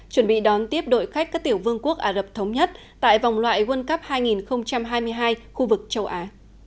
giám tiếp đội khách các tiểu vương quốc ả rập thống nhất tại vòng loại world cup hai nghìn hai mươi hai khu vực châu á